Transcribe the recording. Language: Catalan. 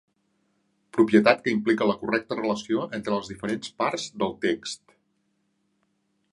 Propietat que implica la correcta relació entre les diferents parts del text.